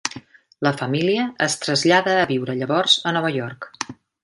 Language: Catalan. La família es trasllada a viure llavors a Nova York.